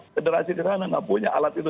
federasi di sana nggak punya alat itu